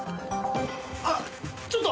あちょっと！